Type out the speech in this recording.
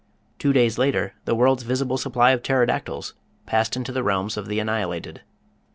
Two days later the world's visible supply of Pterodactyls passed into the realms of the annihilated.